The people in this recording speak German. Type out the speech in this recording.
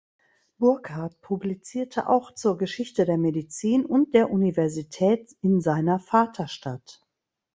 Burckhardt publizierte auch zur Geschichte der Medizin und der Universität in seiner Vaterstadt.